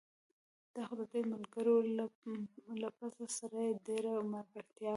دا خو دده ملګری و، له پسه سره یې ډېره ملګرتیا وه.